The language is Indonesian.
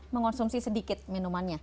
mengonsumsi sedikit minumannya